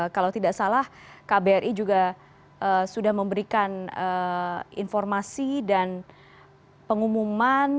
kalau tidak salah kbri juga sudah memberikan informasi dan pengumuman